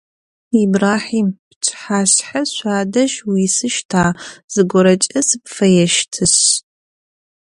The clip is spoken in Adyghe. Ибрахьим, пчыхьашъхьэ шъуадэжь уисыщта, зыгорэкӏэ сыпфэещтышъ?